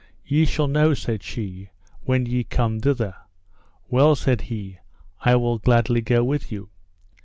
Ye shall know, said she, when ye come thither. Well, said he, I will gladly go with you.